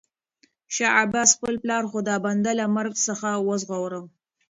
شاه عباس خپل پلار خدابنده له مرګ څخه وژغوره.